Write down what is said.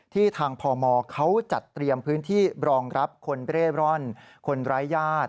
ทางพมเขาจัดเตรียมพื้นที่รองรับคนเร่ร่อนคนร้ายญาติ